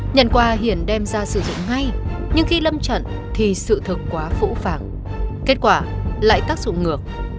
nhận quà hiển đem ra sử dụng ngay nhưng khi lâm trận thì sự thực quá phũ phàng kết quả lại tác dụng ngược